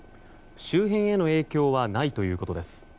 周辺への影響はないということです。